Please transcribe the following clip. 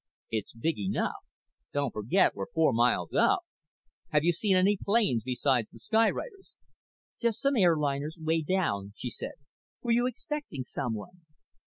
"It's big enough. Don't forget we're four miles up. Have you seen any planes besides the skywriters?" "Just some airliners, way down," she said. "Were you expecting someone?"